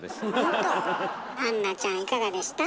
アンナちゃんいかがでした？